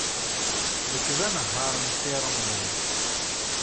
Nekk d anehhaṛ n Si Remḍan.